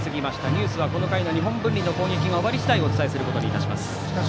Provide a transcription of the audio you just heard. ニュースはこの回の日本文理の攻撃が終わり次第お伝えすることにいたします。